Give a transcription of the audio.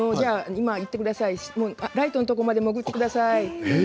今行ってください、ライトのところまで潜ってください。